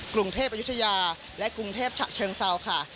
กรุงเทพอายุทยาและกรุงเทพฉะเชิงเซาค่ะ